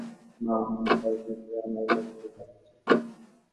মা হেম, কাল হইতে উপরে আমার ঘরে তোতে-আমাতে চা খাইব।